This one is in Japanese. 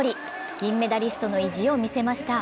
銀メダリストの意地を見せました。